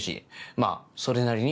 まぁそれなりに？